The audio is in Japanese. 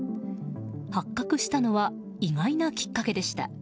発覚したのは意外なきっかけでした。